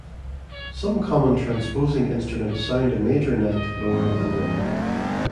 Some common transposing instruments sound a major ninth lower than written.